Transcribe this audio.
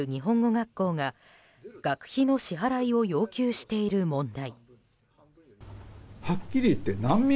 学校が学費の支払いを要求している問題。